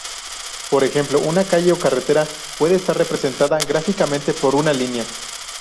Por ejemplo, una calle o carretera puede estar representada gráficamente por una línea.